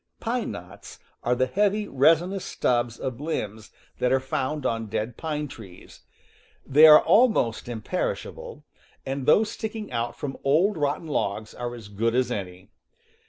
fPine knots are the heavy, resinous stubs of limbs that are tound on dead pine tre^^ They are almost imperishable, and those sticking out from old rotten logs are as good as any.